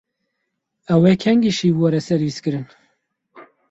Ew ê kengî şîv were servîskirin?